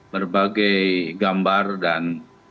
berbagai gambar dan